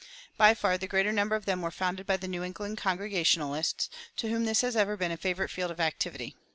By far the greater number of them were founded by the New England Congregationalists, to whom this has ever been a favorite field of activity.